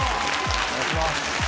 お願いします。